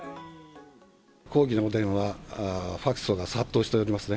抗議のお電話、ファックスが殺到しておりますね。